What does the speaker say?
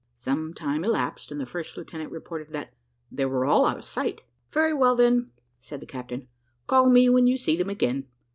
Some time elapsed, and the first lieutenant reported that "they were all out of sight." "Very well, then," said the captain; "call me when you see them again."